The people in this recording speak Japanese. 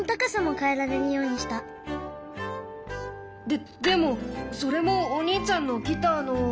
ででもそれもお兄ちゃんのギターの。